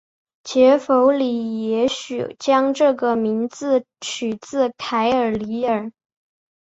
杰佛里也许将这个名字取自凯尔李尔。